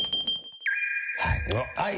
はい。